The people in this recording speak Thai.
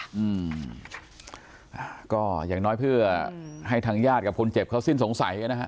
อืมอ่าก็อย่างน้อยเพื่อให้ทางญาติกับคนเจ็บเขาสิ้นสงสัยนะฮะ